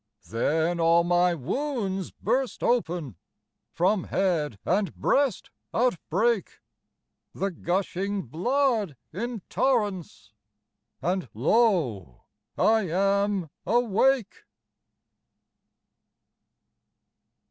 Then all my wounds burst open, From head and breast outbreak The gushing blood in torrents And lo, I am awake!